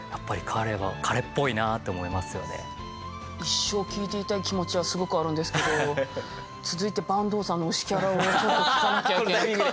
一生聞いていたい気持ちはすごくあるんですけど続いて坂東さんの推しキャラをちょっと聞かなきゃいけなくて。